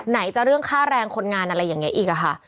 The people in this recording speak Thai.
จะเรื่องค่าแรงคนงานอะไรอย่างนี้อีกค่ะ